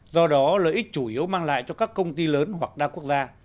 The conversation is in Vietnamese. do đó lợi ích chủ yếu mang lại cho các công ty lớn hoặc đa quốc gia